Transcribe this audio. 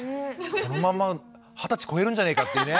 このまま二十歳超えるんじゃねえかっていうね。